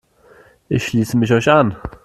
Ich schließe mich euch an.